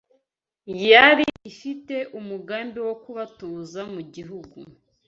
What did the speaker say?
yari ifite umugambi wo kubatuza mu gihugi